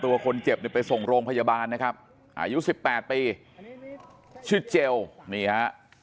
ตัวคนเจ็บไปส่งโรงพยาบาลนะครับอายุ๑๘ปีชื่อเจลนี่ฮะ